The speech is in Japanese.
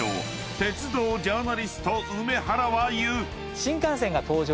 ［鉄道ジャーナリスト梅原は言う］